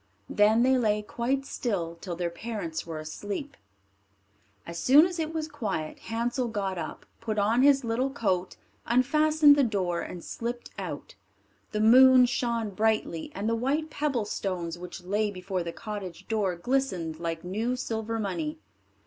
Then they lay quite still till their parents were asleep. As soon as it was quiet, Hansel got up, put on his little coat, unfastened the door, and slipped out The moon shone brightly, and the white pebble stones which lay before the cottage door glistened like new silver money.